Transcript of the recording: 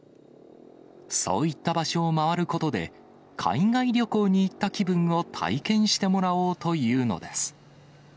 そういった場所を回ることで、海外旅行に行った気分を体験してもらおうというのです。